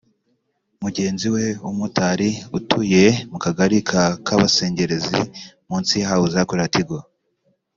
Mugenzi we w’umumotari utuye mu Kagali ka Kabasengerezi munsi y’ahahoze hakorera Tigo